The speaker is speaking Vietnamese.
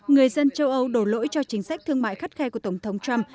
người dân châu âu đổ lỗi cho chính sách thương mại khắt khe của tổng thống trump